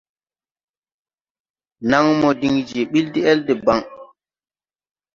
Naŋmo diŋ je ɓil de-ɛl debaŋ.